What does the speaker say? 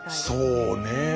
そうね。